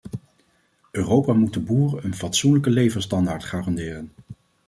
Europa moet de boeren een fatsoenlijke levensstandaard garanderen.